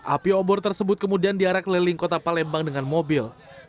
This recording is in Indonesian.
api obor tersebut kemudian diarak keliling kota palembang dengan mobil